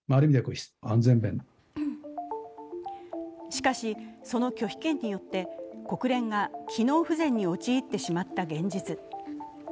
しかし、その拒否権によって国連が機能不全に陥ってしまった現実。